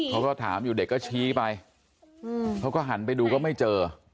เขาก็ถามอยู่เด็กก็ชี้ไปเขาก็หันไปดูก็ไม่เจอ